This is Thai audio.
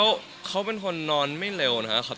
เขาเป็นคนนอนไม่เร็วนะครับ